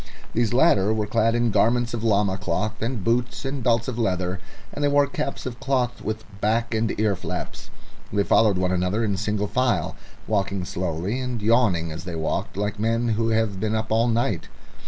These latter were clad in garments of llama cloth and boots and belts of leather, and they wore caps of cloth with back and ear flaps. They followed one another in single file, walking slowly and yawning as they walked, like men who have been up all night.